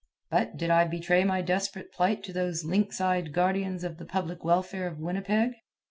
But did I betray my desperate plight to those lynx eyed guardians of the public welfare of Winnipeg?